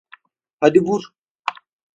Hadi vur!